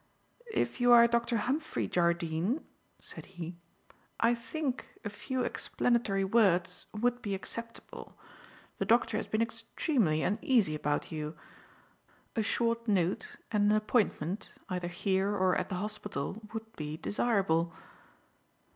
"If you are Dr. Humphrey Jardine," said he, "I think a few explanatory words would be acceptable. The Doctor has been extremely uneasy about you. A short note and an appointment, either here or at the hospital, would be desirable."